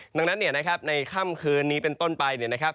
ในนั้นนั้นในค่ำคืนนี้เป็นต้นไป